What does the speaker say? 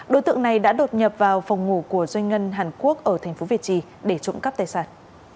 đối tượng này đã đột nhập vào phòng ngủ của doanh ngân hàn quốc ở tp việt trì để trộm cắp tài sản